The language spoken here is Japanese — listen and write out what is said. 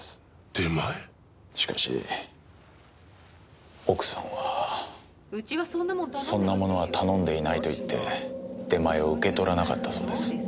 しかし奥さんはそんなものは頼んでいないと言って出前を受け取らなかったそうです。